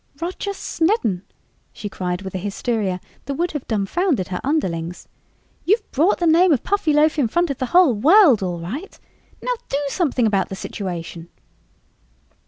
"Roger Snedden," she cried with a hysteria that would have dumfounded her underlings, "you've brought the name of Puffyloaf in front of the whole world, all right! Now do something about the situation!"